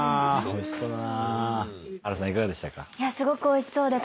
おいしそうだな。